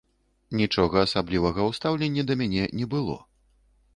Нічога асаблівага ў стаўленні да мяне не было.